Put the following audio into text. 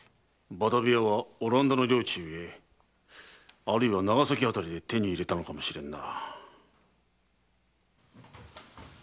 バダビヤはオランダの領地ゆえあるいは長崎あたりで手に入れたのかもしれんな。